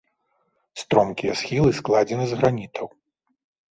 Стромкія схілы складзены з гранітаў.